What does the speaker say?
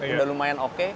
udah lumayan oke